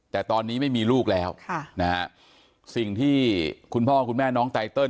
แต่ตอนนี้ไม่มีลูกแล้วค่ะนะฮะสิ่งที่คุณพ่อคุณแม่น้องไตเติล